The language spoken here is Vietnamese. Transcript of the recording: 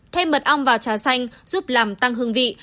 thêm mật ong và trà xanh giúp làm tăng hương vị